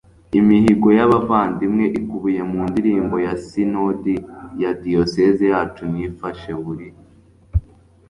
imihigo y'abavandimwe ikubiye mu ndirimbo ya sinodi ya diyosezi yacu nifashe buri